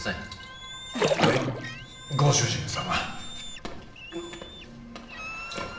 はいご主人様。